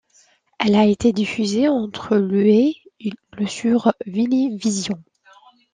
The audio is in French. Elle a été diffusée entre le et le sur Venevisión.